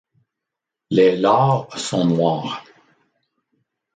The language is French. Les lores sont noirs.